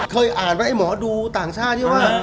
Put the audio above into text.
เคยอ่านไอเหมาะดูต่างชาติฮะ